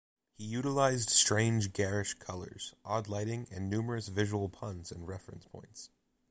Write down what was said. He utilized strange garish colors, odd lighting, and numerous visual puns and reference points.